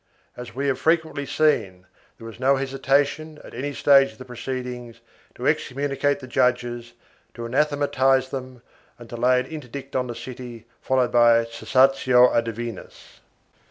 As we have frequently seen, there was no hesitation, at any stage of the proceedings, to excommunicate the judges, to anathematize them and to lay an interdict on the city, followed by a cessatio a divinis.